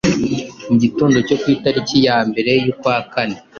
Mu gitondo cyo ku itariki ya mbere y'ukwa kane,